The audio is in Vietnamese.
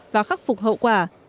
và khắc phục hậu quả